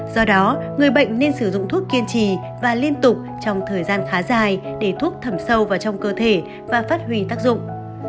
do đó người bệnh nên sử dụng thuốc kiên trì và liên tục trong thời gian khá dài để thuốc thẩm sâu vào trong cơ thể và phát huy tác dụng